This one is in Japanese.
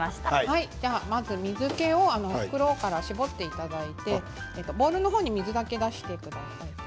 まず水けを袋から絞っていただいてボウルの方に水だけ出してください。